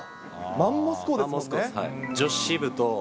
マンモス校ですね。